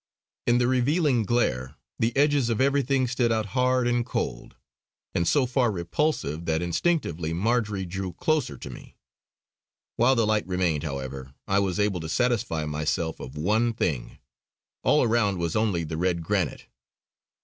In the revealing glare, the edges of everything stood out hard and cold, and so far repulsive that instinctively Marjory drew closer to me. While the light remained, however, I was able to satisfy myself of one thing; all around was only the red granite.